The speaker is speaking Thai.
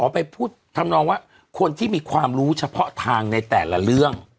ไปพูดทำนองว่าคนที่มีความรู้เฉพาะทางในแต่ละเรื่อง